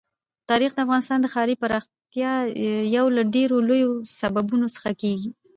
تاریخ د افغانستان د ښاري پراختیا یو له ډېرو لویو سببونو څخه کېږي.